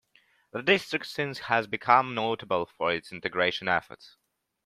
The district since has become notable for its integration efforts.